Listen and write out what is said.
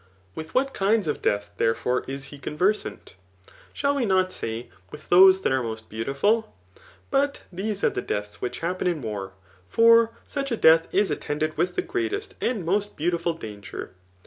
With ^at kinds of death, therefore, is he conversant ? Shall we not say, ysiA those that are most beautiful ? But these ace the desdn which happen in war ; for such a death is attended wMi the greatest and most beaudful danger.